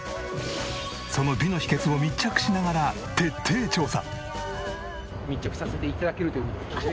その美の秘訣を密着しながら徹底調査。